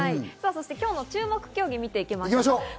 そして今日の注目競技を見ていきましょう。